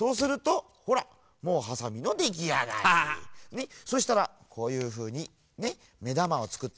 ねそしたらこういうふうにねめだまをつくって。